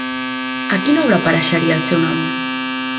A quina obra apareixeria el seu nom?